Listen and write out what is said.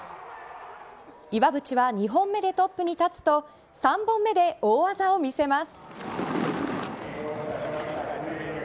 岩渕は、２本目でトップに立つと３本目で大技を見せます。